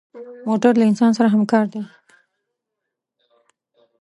موټر له انسان سره همکار دی.